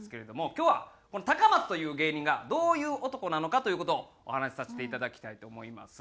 今日はこの高松という芸人がどういう男なのかという事をお話しさせていただきたいと思います。